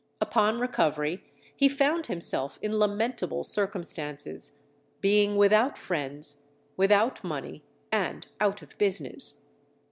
Upon recovery he found himself in lamentable circumstances, being without friends, without money, and out of business.